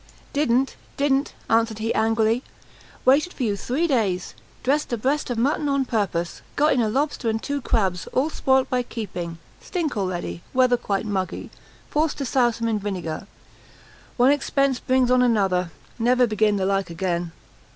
"Didn't, didn't!" answered he, angrily; "waited for you three days, dressed a breast o' mutton o' purpose; got in a lobster, and two crabs; all spoilt by keeping; stink already; weather quite muggy, forced to souse 'em in vinegar; one expense brings on another; never begin the like agen."